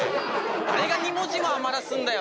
誰が２文字も余らすんだよ